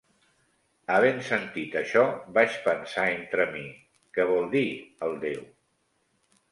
Havent sentit això vaig pensar entre mi: Què vol dir el déu?